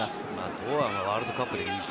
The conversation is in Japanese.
堂安はワールドカップで２点。